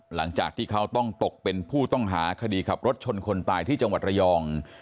หลังจากที่เขาต้องตกเป็นผู้ต้องหาคดีขับรถชนคนตายที่จังหวัดระยอง